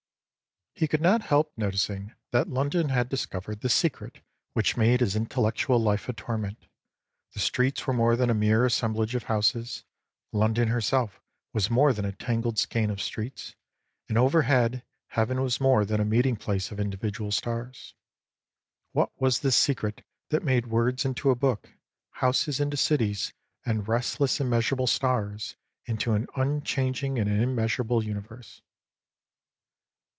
He could not help noticing that London had discovered the secret which made his intellectual life a torment. The streets were more than a mere assemblage of houses, London herself was more than a tangled skein of streets, and overhead heaven was more than a meeting place of individual stars. What was this secret that made words into a book, houses into cities, and restless and measurable stars into an un changing and immeasurable universe